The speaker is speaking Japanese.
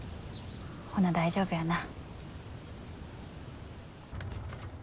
ほな大丈夫やな。